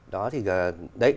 đó thì đấy